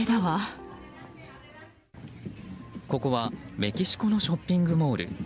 ここはメキシコのショッピングモール。